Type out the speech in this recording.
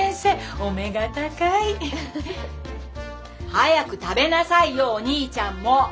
早く食べなさいよお兄ちゃんも！